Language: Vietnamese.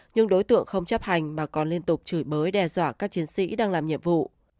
nhưng đối tượng không chấp hành mà còn liên tục chửi bới đe dọa các chiến sĩ đang làm nhiệm vụ